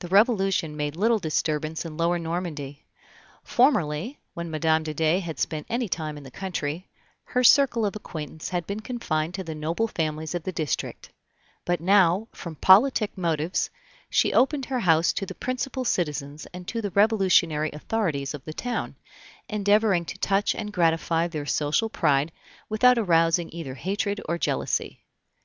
The Revolution made little disturbance in Lower Normandy. Formerly, when Mme. de Dey had spent any time in the country, her circle of acquaintance had been confined to the noble families of the district; but now, from politic motives, she opened her house to the principal citizens and to the Revolutionary authorities of the town, endeavoring to touch and gratify their social pride without arousing either hatred or jealousy.